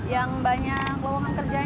yang banyak ruangan kerjanya bang